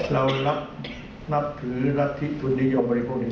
เรารับนับถือรับทิศทุนยมบริโภคนิยม